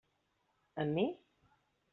Amb mi?